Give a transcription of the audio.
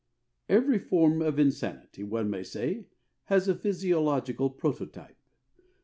Every form of insanity, one may say, has a physiological prototype.